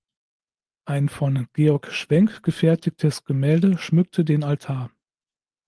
Ein von Georg Schwenk gefertigtes Gemälde schmückte den Altar.